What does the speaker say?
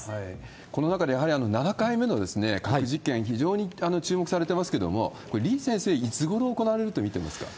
この中で、やはり７回目の核実験、非常に注目されてますけれども、これ、李先生、いつごろ行われると見てますか？